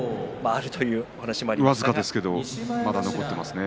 僅かですけれど残っています。